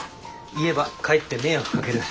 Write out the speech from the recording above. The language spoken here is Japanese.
言えばかえって迷惑かける。